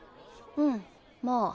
うんまあ。